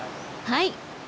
はい！